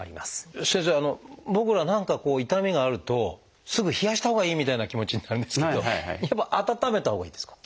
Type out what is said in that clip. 先生僕ら何かこう痛みがあるとすぐ冷やしたほうがいいみたいな気持ちになるんですけどやっぱ温めたほうがいいんですか？